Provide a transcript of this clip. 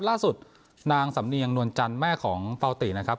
ล่าสุดนางสำเนียงนวลจันทร์แม่ของเปาตินะครับ